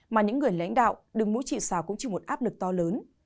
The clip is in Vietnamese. mà những người lãnh đạo đừng mũi trị xào cũng chỉ một áp lực to lớn